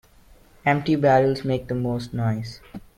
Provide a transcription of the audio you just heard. Empty barrels make the most noise.